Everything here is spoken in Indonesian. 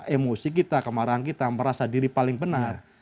emosi kita kemarahan kita merasa diri paling benar